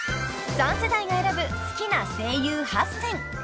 ［３世代が選ぶ好きな声優８選］